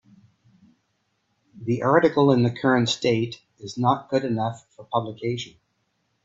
The article in the current state is not good enough for publication.